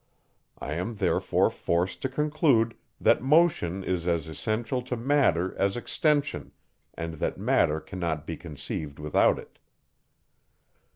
I am therefore forced to conclude, that motion is as essential to matter as extension, and that matter cannot be conceived without it.